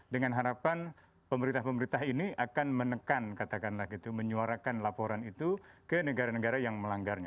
dengan harapan pemerintah pemerintah ini akan menekan katakanlah gitu menyuarakan laporan itu ke negara negara yang melanggarnya